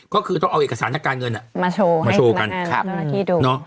ก็คือต้องเอาเอกสารหน้าการเงินมาโชว์กัน